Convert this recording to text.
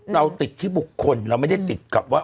เราติดที่บุคคลเราไม่ได้ติดกับว่า